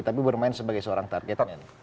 tapi bermain sebagai seorang target